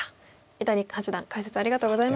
三谷八段解説ありがとうございました。